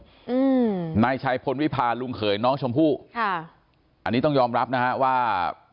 อืมนายชัยพลวิพาลุงเขยน้องชมพู่ค่ะอันนี้ต้องยอมรับนะฮะว่า